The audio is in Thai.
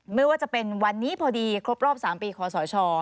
ไม่ว่าจะเป็นวันนี้พอดีครบรอบ๓ปีคอสช